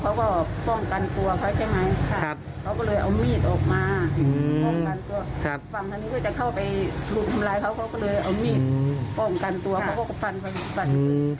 เขาก็ป้องกันตัวเขาใช่ไหมครับเขาก็เลยเอามีดออกมาอืม